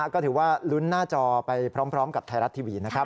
ก็ถือว่าลุ้นหน้าจอไปพร้อมกับไทยรัฐทีวีนะครับ